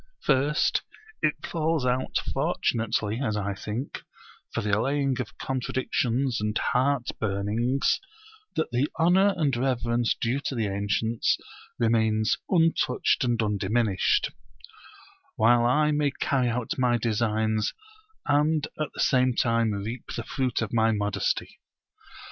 First it falls out fortunately as I think for the allaying of contradictions and heart burnings, that the honour and reverence due to the ancients remains untouched and undiminished; while I may carry out my designs and at the same time reap the fruit of my modesty.